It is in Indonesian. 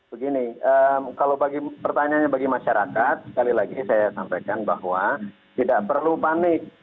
begini kalau pertanyaannya bagi masyarakat sekali lagi saya sampaikan bahwa tidak perlu panik